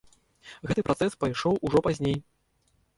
Гэты працэс пайшоў ужо пазней.